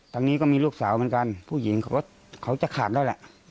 ทางนี้ก็มีลูกสาวเหมือนกันผู้หญิงเขาจะขาดแล้วแหละ